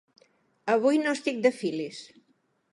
Avui no estic de filis.